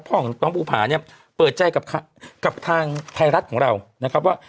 พ่อของน้องภูผาเนี่ยเปิดใจกับทางไทยรัฐของเรานะครับว่า